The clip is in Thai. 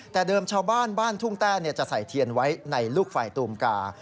แต่เดิมชาวบ้านบ้านทุ่งแต้จะใส่เทียนไว้ในลูกไฟตูมกา